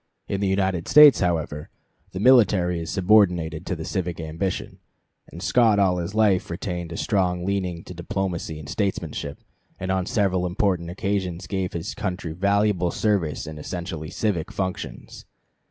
In the United States, however, the military is subordinated to the civic ambition, and Scott all his life retained a strong leaning to diplomacy and statesmanship, and on several important occasions gave his country valuable service in essentially civic functions.